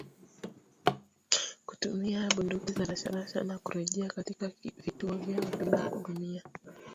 kutumia bunduki za rashasha na kurejea katika vituo vyao bila kuumia